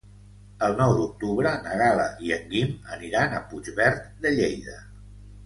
El nou d'octubre na Gal·la i en Guim aniran a Puigverd de Lleida.